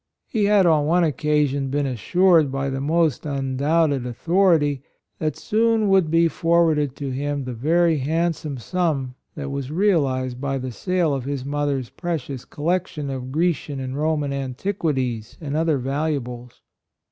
He had, on one occasion, been as sured, by the most undoubted authority, that soon would be for 88 HIS DEBTS warded to him the very handsome sum that was realized by the sale of his mother's precious collection of Grecian and Roman antiquities and other valuables.